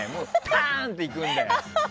ターンっていくんだよ。